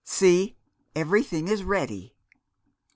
See, everything is ready."